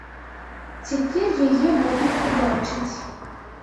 Цяпер яе могуць убачыць.